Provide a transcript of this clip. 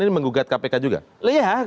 ini menggugat kpk juga